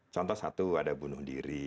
contoh satu ada bunuh diri